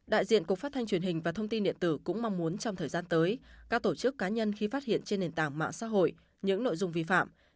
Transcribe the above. đại diện cục phát thanh truyền hình và thông tin điện tử cũng mong muốn trong thời gian tới các tổ chức cá nhân khi phát hiện trên nền tảng mạng xã hội những nội dung vi phạm